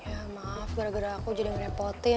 ya maaf gara gara aku jadi ngerepotin